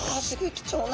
貴重な。